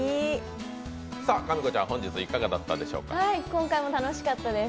今回も楽しかったです。